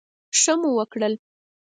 ښه مو وکړل.